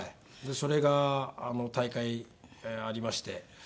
それが大会がありまして。